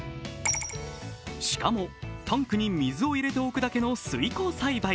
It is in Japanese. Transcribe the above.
しかも、タンクに水を入れておくだけの水耕栽培。